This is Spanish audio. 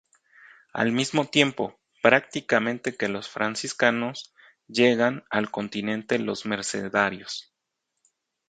Al mismo tiempo, prácticamente que los franciscanos, llegan al continente los mercedarios.